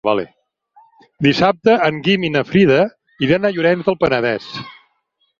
Dissabte en Guim i na Frida iran a Llorenç del Penedès.